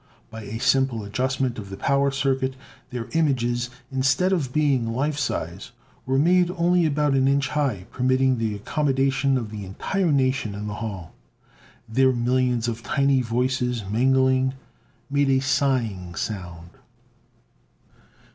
By a simple adjustment of the power circuit, their images, instead of being life size, were made only about an inch high, permitting the accommodation of the entire nation in the hall. Their millions of tiny voices, mingling, made a sighing sound.